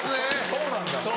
そうなんだ。